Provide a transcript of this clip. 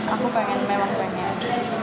aku memang pengen